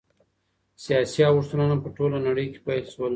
سياسي اوښتونونه په ټوله نړۍ کي پيل سول.